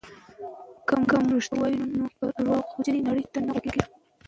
که موږ رښتیا ووایو نو په درواغجنې نړۍ نه غولېږو.